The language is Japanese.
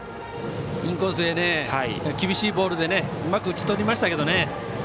インコースへ厳しいボールでうまく打ち取りましたけどね。